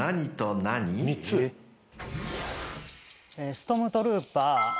ストームトルーパー。